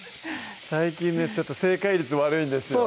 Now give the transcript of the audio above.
最近ねちょっと正解率悪いんですよ